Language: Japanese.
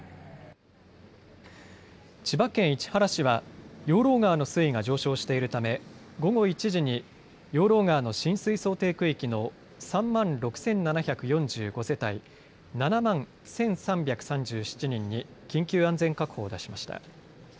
千葉県市原市は養老川の水位が上昇しているため午後１時に養老川の浸水想定区域の３万６７４５世帯７万１３３７人に緊急安全確保を出しました。